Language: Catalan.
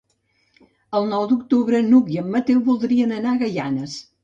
El nou d'octubre n'Hug i en Mateu voldrien anar a Gaianes.